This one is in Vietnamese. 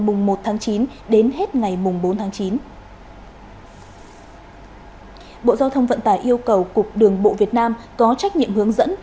bộ giao thông vận tải yêu cầu cục đường bộ việt nam có trách nhiệm hướng dẫn